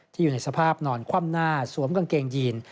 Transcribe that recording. อยู่ในสภาพนอนคว่ำหน้าสวมกางเกงยีน